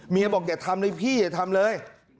บอกอย่าทำเลยพี่อย่าทำเลย